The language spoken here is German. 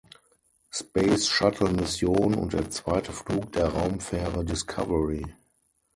Space-Shuttle-Mission und der zweite Flug der Raumfähre Discovery.